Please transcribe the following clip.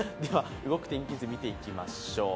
動く天気図を見ていきましょう。